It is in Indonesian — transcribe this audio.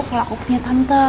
kalau aku punya tante